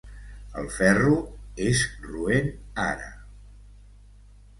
El ferro és roent, ara.